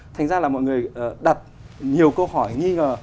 thành ra là mọi người đặt nhiều câu hỏi nghi ngờ